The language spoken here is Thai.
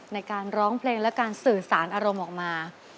ในการร้องเพลงและการสื่อสารอารมณ์ออกมา